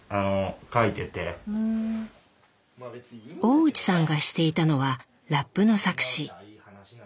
大内さんがしていたのはラップの作詞。